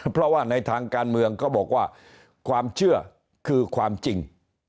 เพราะว่าในทางการเมืองเขาบอกว่าความเชื่อคือความจริง